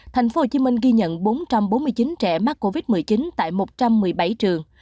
thành phố hồ chí minh ghi nhận bốn trăm bốn mươi chín trẻ mắc covid một mươi chín tại một trăm một mươi bảy trường